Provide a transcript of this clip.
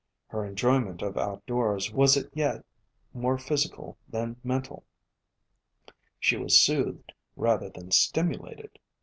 Her enjoyment of outdoors was as yet more physical than mental. She was soothed rather than stimu 236 FLOWERS OF THE SUN lated.